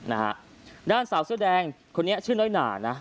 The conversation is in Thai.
นะฮะด้านสาวเสื้อแดงคนนี้ชื่อน้อยหนานะ